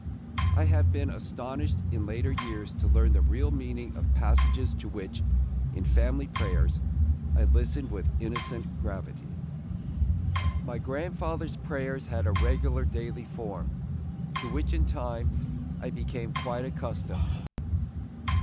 I have been astonished in later years to learn the real meaning of passages to which, in family prayers, I listened with innocent gravity. My grandfather's prayers had a regular daily form, to which in time, I became quite accustomed.